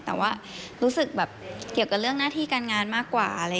แต่รู้สึกว่าเกี่ยวกับหน้าที่การงานมากกว่า